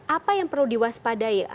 apa yang perlu diwaspadai